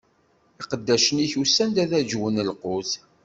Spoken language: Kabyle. Iqeddacen-ik usan-d ad aǧwen lqut.